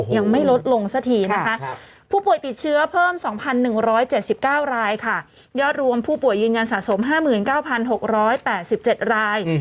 ยังไม่ลดลงสักทีนะคะผู้ป่วยติดเชื้อเพิ่ม๒๑๗๙รายค่ะยอดรวมผู้ป่วยยืนยันสะสม๕๙๖๘๗ราย